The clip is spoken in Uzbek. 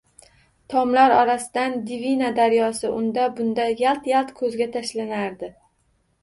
Tomlar orasidan Dvina daryosi unda-bunda yalt-yalt koʻzga tashlanardi